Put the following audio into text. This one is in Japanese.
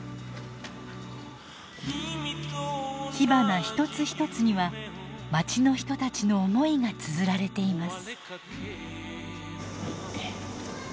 火花一つ一つにはまちの人たちの思いがつづられています。